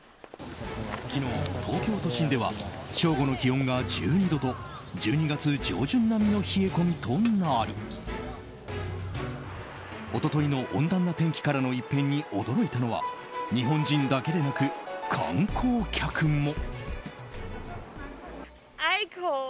昨日、東京都心では正午の気温が１２度と１２月上旬並みの冷え込みとなり一昨日の温暖な天気からの一変に驚いたのは日本人だけでなく観光客も。